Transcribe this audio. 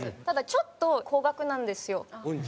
ただちょっと高額なんですよ。